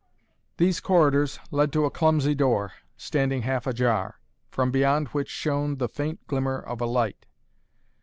These corridors led to a clumsy door, standing half ajar, from beyond which shone the faint glimmer of a light.